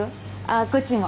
あこっちも。